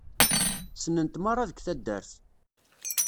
Ssnen-t merra deg taddart.